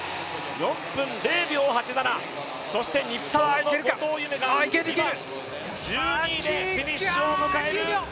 ４分０秒８７そして日本の後藤夢が今、１２位でフィニッシュを迎える。